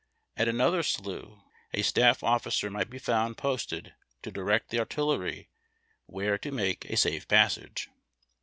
At anotlier slougli, a staff officer might be found posted to direct the artillery where to make a safe passage.